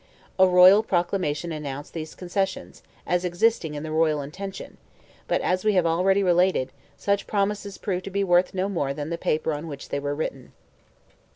A royal proclamation announced these concessions, as existing in the royal intention, but, as we have already related, such promises proved to be worth no more than the paper on which they were written.